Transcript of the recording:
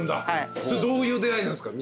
それどういう出会いなんすか？